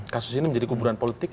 kasus ini menjadi kuburan politik